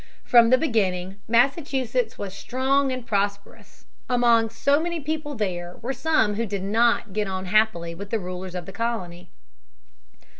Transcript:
From the beginning Massachusetts was strong and prosperous. Among so many people there were some who did not get on happily with the rulers of the colony.